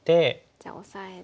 じゃあオサえて。